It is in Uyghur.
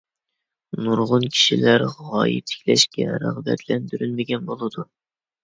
نۇرغۇن كىشىلەر غايە تىكلەشكە رىغبەتلەندۈرۈلمىگەن بولىدۇ.